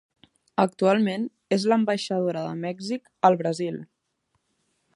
Actualment és l'ambaixadora de Mèxic al Brasil.